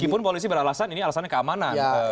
meskipun polisi beralasan ini alasannya keamanan